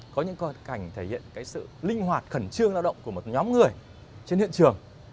có những con cảnh thể hiện sự linh hoạt khẩn trương lao động của một nhóm người trên hiện trường